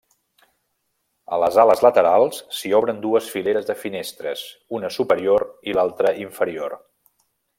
A les ales laterals s'hi obren dues fileres de finestres, una superior i l'altra inferior.